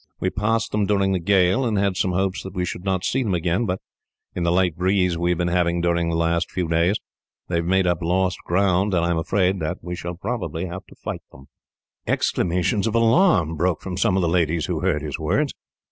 We passed them during the gale, and had some hopes that we should not see them again; but, in the light breeze we have been having during the last few days, they have made up lost ground, and I am afraid we shall have to fight them." Exclamations of alarm broke from some of the ladies who heard his words.